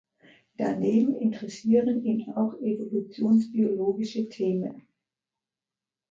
Daneben interessieren ihn auch evolutionsbiologische Themen.